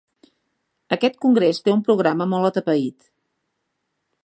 Aquest congrés té un programa molt atapeït.